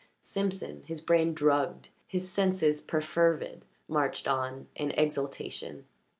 Simpson, his brain drugged, his senses perfervid marched on in exultation.